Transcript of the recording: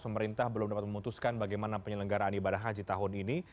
pemerintah belum dapat memutuskan bagaimana penyelenggaraan ibadah haji tahun ini